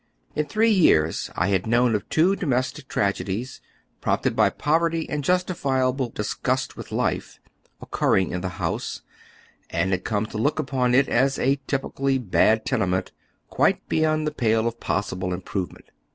In three years I had known of two domestic tragedies, prompted by poverty and justifiable disgust with life, oc curring in the house, and liad come to look upon it as a typically bad tenement, quite beyond the pale of possible improvement.